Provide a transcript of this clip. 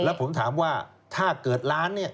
และผมถามว่าถ้าเกิดร้าน